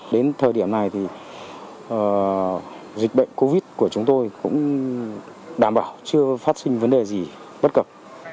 đến thời điểm này thì dịch bệnh covid của chúng tôi cũng đảm bảo chưa phát sinh vấn đề gì bất cập